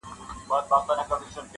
دا زړه بېړی به خامخا ډوبېږي,